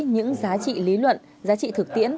những giá trị lý luận giá trị thực tiễn